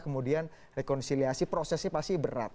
kemudian rekonsiliasi prosesnya pasti berat